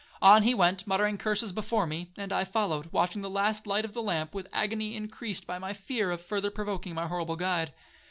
On he went, muttering curses before me; and I followed, watching the last light of the lamp with agony increased by my fear of further provoking my horrible guide.